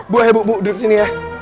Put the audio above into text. buah bubuk bubuk sini ya